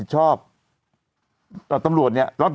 ชอบคุณครับ